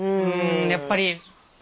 やっぱり。